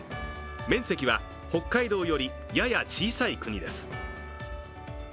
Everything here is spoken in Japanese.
面積は北海道よりやや小さい国です。